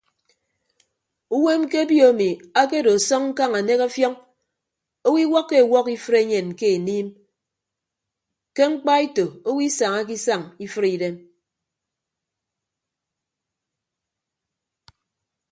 Uwem ke obio emi akedo asọñ ñkañ anek ọfiọñ owo iwọkkọ ewọk ifre enyen ke enịm ke mkpaeto owo isañake isañ ifre idem.